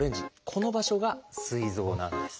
この場所がすい臓なんです。